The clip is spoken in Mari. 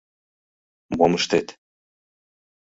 Мом ыштет!